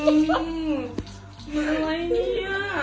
มันอะไรเนี่ย